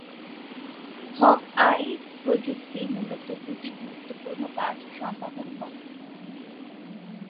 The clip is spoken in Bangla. হক-আই প্রযুক্তি মুলত দুটি গুরুত্বপূর্ণ কাজ সম্পাদন করে।